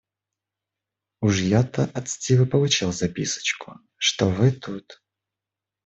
Уж я от Стивы получил записочку, что вы тут.